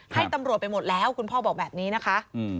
ให้ตำรวจไปหมดแล้วคุณพ่อบอกแบบนี้นะคะ